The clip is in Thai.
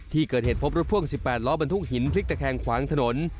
ที่เกิดเหตุพบรถพ่วง๑๘ล้อบรรทุกหินพลิกตะแคงขวางถนน